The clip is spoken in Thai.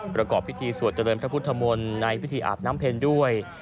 ประกอบพิธีสวดเจริญพระพุทธมนต์ในพิธีอาบน้ำเพ็ญด้วย